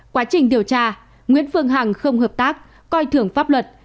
quá trình điều tra nguyễn phương hằng không hợp tác coi thưởng pháp luật